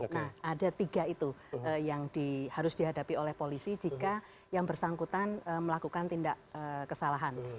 nah ada tiga itu yang harus dihadapi oleh polisi jika yang bersangkutan melakukan tindak kesalahan